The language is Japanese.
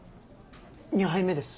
２杯目です。